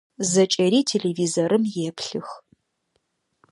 Зэкӏэри телевизорым еплъых.